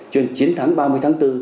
chiến thắng ba mươi tháng bốn